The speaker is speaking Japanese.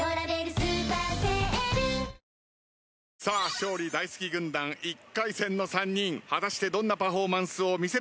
勝利大好き軍団１回戦の３人どんなパフォーマンスを見せるか。